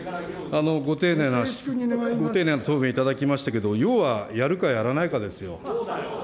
ご丁寧な答弁いただきましたけれども、要は、やるかやらないかですよ。